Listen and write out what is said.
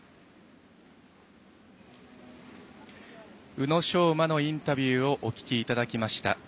宇野昌磨のインタビューをお聞きいただきました。